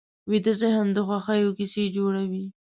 ویده ذهن د خوښیو کیسې جوړوي